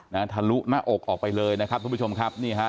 ทะลุหน้าอกออกไปเลยนะครับทุกผู้ชมครับนี่ฮะ